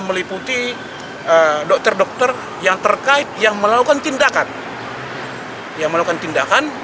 meliputi dokter dokter yang terkait yang melakukan tindakan yang melakukan tindakan